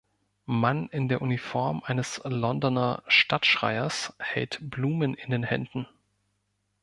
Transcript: Mann in der Uniform eines Londoner Stadtschreiers hält Blumen in den Händen.